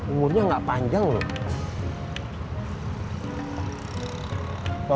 umurnya gak panjang loh